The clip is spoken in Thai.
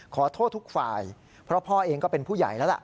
ขอโทษทุกฝ่ายเพราะพ่อเองก็เป็นผู้ใหญ่แล้วล่ะ